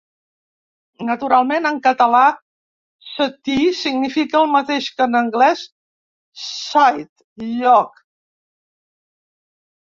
Naturalment, en català “seti” significa el mateix que en anglès “site”: lloc.